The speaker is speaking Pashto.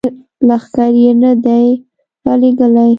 لښکر یې نه دي را لیږلي.